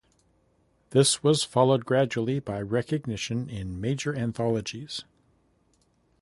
This was followed gradually by recognition in major anthologies.